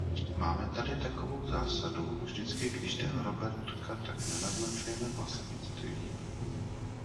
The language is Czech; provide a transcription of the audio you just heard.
Máme tady takovou zásadu, vždycky když jde o robertka, tak nenaznačujeme vlastnictví.